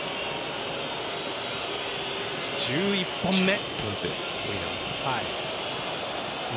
１１本目。